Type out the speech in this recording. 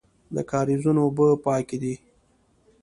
د کاریزونو اوبه پاکې دي